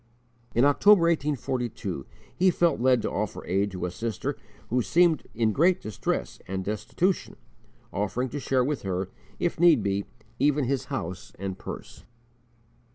In October, 1842, he felt led to offer aid to a sister who seemed in great distress and destitution, offering to share with her, if need be, even his house and purse.